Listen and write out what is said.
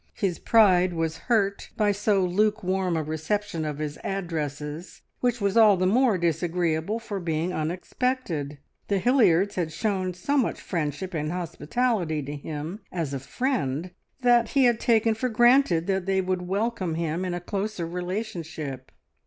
His pride was hurt by so lukewarm a reception of his addresses, which was all the more disagreeable for being unexpected. The Hilliards had shown so much friendship and hospitality to him as a friend, that he had taken for granted that they would welcome him in a closer relationship.